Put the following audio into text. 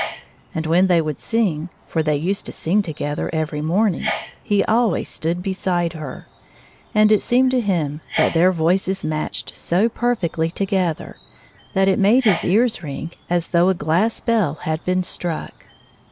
And when they would sing — for they used to sing together every morn ing — he always stood beside her, and it seemed to him that their voices matched so perfectly to gether, that it made his ears ring as though a glass bell had been struck.